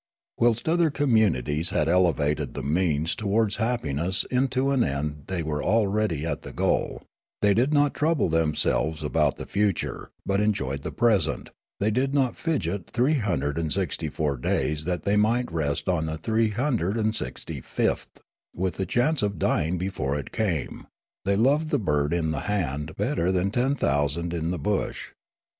Whilst other communities had elevated the means towards happiness into an end the} were already at the goal ; they did not trouble themselves about the future, but enjoyed the present ; they did not fidget 364 days that they might rest on the 365th, with the chance of dying before it came ; they loved the bird in the hand better than ten thousand in the bush.